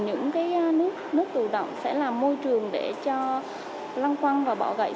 những nước tù động sẽ làm môi trường để cho lăng quăng và bỏ gãy sinh